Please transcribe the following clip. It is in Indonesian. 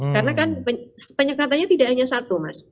karena kan penyekatannya tidak hanya satu mas